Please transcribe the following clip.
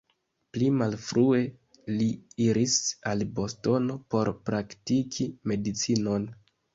Pli malfrue li iris al Bostono por praktiki medicinon.